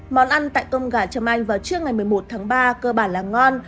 món ăn tại cơm gà trầm anh vào trưa ngày một mươi một tháng ba cơ bản là ngon